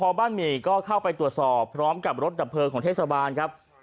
พอบ้านหมี่ก็เข้าไปตรวจสอบพร้อมกับรถดับเพลิงของเทศบาลครับ